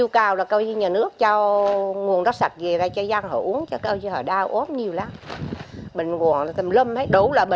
nó nghe hết cả nguồn nước sạch về làng dân là nghe hầm mơ lắm